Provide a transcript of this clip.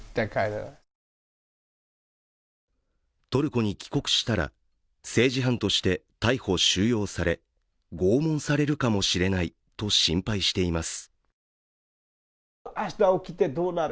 トルコに帰国したら政治犯として逮捕・収容され拷問されるかもしれないと心配しています。